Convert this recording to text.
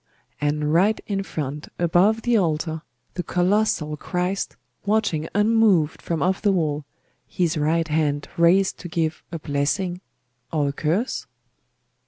And right in front, above the altar, the colossal Christ watching unmoved from off the wall, His right hand raised to give a blessing or a curse?